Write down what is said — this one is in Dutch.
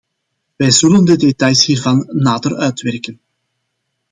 Wij zullen de details hiervan nader uitwerken.